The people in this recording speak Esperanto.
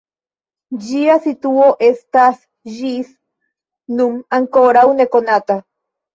Ĝia situo estas ĝis nun ankoraŭ nekonata.